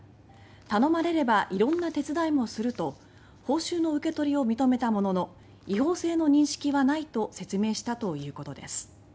「頼まれればいろんな手伝いもする」と報酬の受け取りを認めたものの違法性の認識はないと説明したということです。